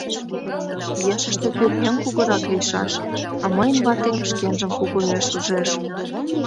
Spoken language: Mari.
Ешыште пӧръеҥ кугурак лийшаш, а мыйын ватем шкенжым кугуэш ужеш.